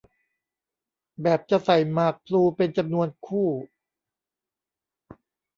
แบบจะใส่หมากพลูเป็นจำนวนคู่